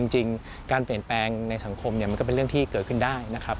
จริงการเปลี่ยนแปลงในสังคมเนี่ยมันก็เป็นเรื่องที่เกิดขึ้นได้นะครับ